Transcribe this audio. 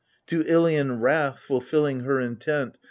To Ilion Wrath, fulfilling her intent.